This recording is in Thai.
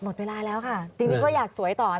หมดเวลาแล้วค่ะจริงก็อยากสวยต่อ